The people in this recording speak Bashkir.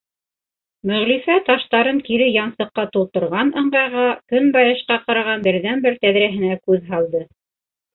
Мөғлифә таштарын кире янсыҡҡа тултырған ыңғайға көнбайышҡа ҡараған берҙән-бер тәҙрәһенә күҙ һалды: